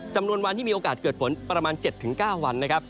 วันที่มีโอกาสเกิดฝนประมาณ๗๙วันนะครับ